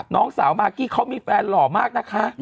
น้องสาวมากกี้เขามีแฟนหล่อมากนะคะ